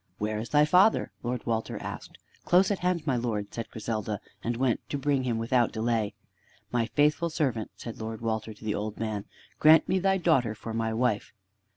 "Where is thy father?" Lord Walter asked. "Close at hand, my Lord," said Griselda, and went to bring him without delay. "My faithful servant," said Lord Walter to the old man, "grant me thy daughter for my wife!"